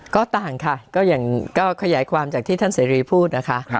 ก็ต่างค่ะก็อย่างก็ขยายความจากที่ท่านเสรีพูดนะคะ